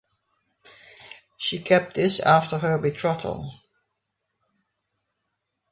She kept this after her betrothal.